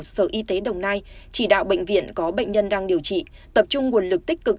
sở y tế đồng nai chỉ đạo bệnh viện có bệnh nhân đang điều trị tập trung nguồn lực tích cực